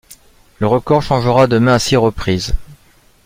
Le record changera de mains à six reprises.